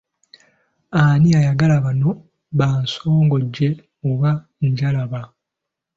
Ani ayagala bano ba nsonjoge oba Njabala?